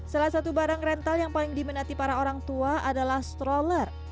salah satu barang rental yang paling diminati para orang tua adalah stroller